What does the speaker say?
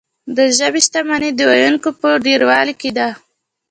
د ژبې شتمني د ویونکو په ډیروالي کې ده.